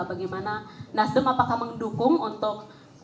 bagaimana nasdem apakah mendukung untuk